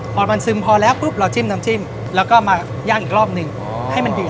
พอมันซึมพอแล้วปุ๊บเราจิ้มน้ำจิ้มแล้วก็มาย่างอีกรอบหนึ่งให้มันดี